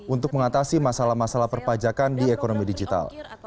untuk mengatasi masalah masalah perpajakan di ekonomi digital